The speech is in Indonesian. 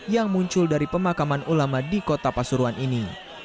yang muncul dari pemakaman ulama di kota pasuruan ini